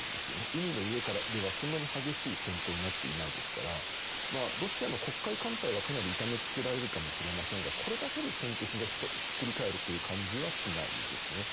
海の上からではそんなに激しい戦闘になっていないですからロシアの黒海艦隊はかなり痛めつけられるかもしれませんがこれだけで戦況がひっくり返るという感じはしないですね。